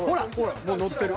［もう乗ってる］